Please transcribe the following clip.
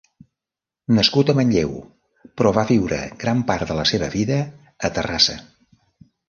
Nascut a Manlleu però va viure gran part de la seva vida a Terrassa.